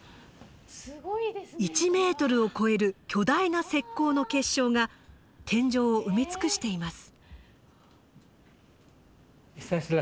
１ｍを超える巨大な石こうの結晶が天井を埋め尽くしています。